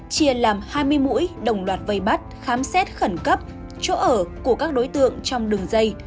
chia làm hai mươi mũi đồng loạt vây bắt khám xét khẩn cấp chỗ ở của các đối tượng trong đường dây